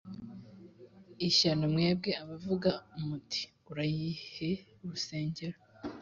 ishyano mwebwe abavuga muti Urahiye urusengero